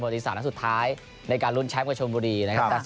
และการรุนแช้นกับชมบุรี